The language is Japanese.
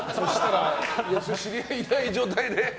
知り合いいない状態で。